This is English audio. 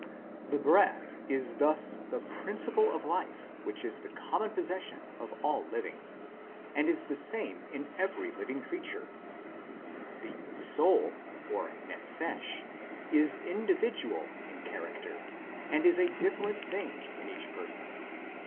The breath is thus the principle of life which is the common possession of all living and is the same in every living creature ; the soul (nephesh) is individual in character and is a different thing in each person.